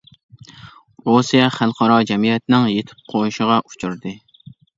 رۇسىيە خەلقئارا جەمئىيەتنىڭ يېتىپ قويۇشىغا ئۇچرىدى.